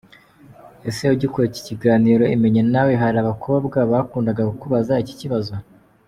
com:Ese ugikora ikiganiro ‘Imenye na we’ hari abakobwa bakundaga kukubaza iki kibazo?.